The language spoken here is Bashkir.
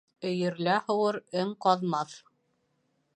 Өйөрлә һыуыр өң ҡаҙмаҫ